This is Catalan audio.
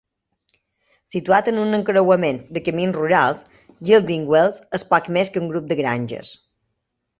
Situat en un encreuament de camins rurals, Gildingwells és poc més que un grup de granges.